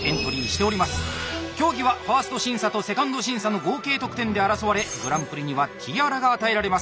競技は１ｓｔ審査と２ｎｄ審査の合計得点で争われグランプリにはティアラが与えられます。